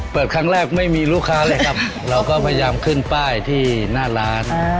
เปิดครั้งแรกไม่มีลูกค้าเลยครับเราก็พยายามขึ้นป้ายที่หน้าร้าน